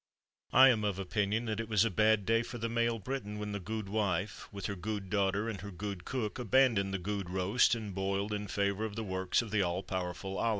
I am of opinion that it was a bad day for the male Briton when the gudewife, with her gude daughter, and her gude cook, abandoned the gude roast and boiled, in favour of the works of the all powerful Ala.